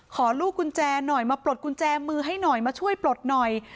ขอลูกกุญแจหน่อยมาปลดกุญแจมือให้หน่อยมาช่วยปลดหน่อย